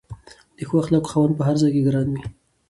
د ښو اخلاقو خاوند په هر ځای کې ګران وي.